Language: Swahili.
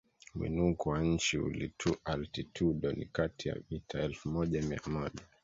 Mwinuko wa nchi altitudo ni kati ya mita elfu moja mia moja